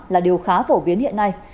là điều khá phổ biến hiện nay